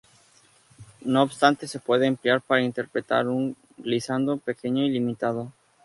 No obstante, se puede emplear para interpretar un "glissando" pequeño y limitado.